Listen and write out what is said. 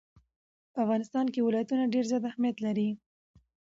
په افغانستان کې ولایتونه ډېر زیات اهمیت لري.